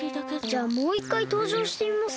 じゃあもう１かいとうじょうしてみます？